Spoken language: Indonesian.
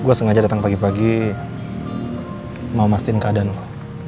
gue sengaja dateng pagi pagi mau mastiin keadaan lo